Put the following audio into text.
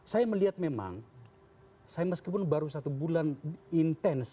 saya melihat memang saya meskipun baru satu bulan intens